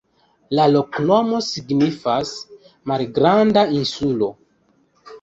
La loknomo signifas: malgranda insulo.